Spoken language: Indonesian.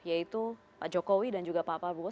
yaitu pak jokowi dan juga pak prabowo